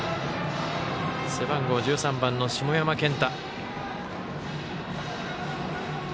背番号１３番の下山健太。